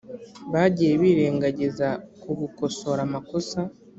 bagiye birengagiza kugukosora amakosa